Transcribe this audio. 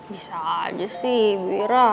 bisa aja sih bu ira